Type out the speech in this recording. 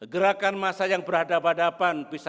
gerakan massa yang berhadapan hadapan bisa dikawal